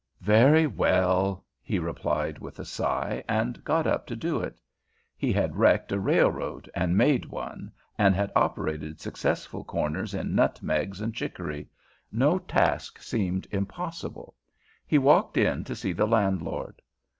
"Very well," he replied with a sigh, and got up to do it. He had wrecked a railroad and made one, and had operated successful corners in nutmegs and chicory. No task seemed impossible. He walked in to see the landlord.